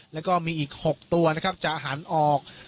แล้วก็มีอีก๖ตัวนะครับจะหันออก